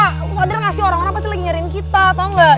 aku sadar ngasih orang apa sih lagi nyariin kita tau nggak